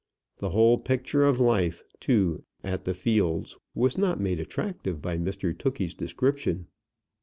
The whole picture of life, too, at the Fields was not made attractive by Mr Tookey's description.